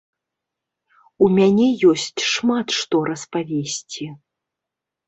У мяне ёсць шмат што распавесці.